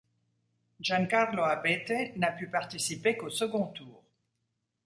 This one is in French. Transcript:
Giancarlo Abete n'a pu participer qu'au second tour.